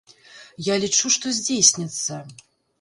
Я лічу, што здзейсняцца.